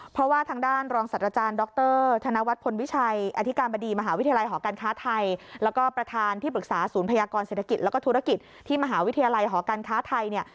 เพราะว่าทางด้านรองศาสตร์อาจารย์ดรธนวัฒน์พลวิชัยอธิกรรมดีมหาวิทยาลัยหอการค้าไทย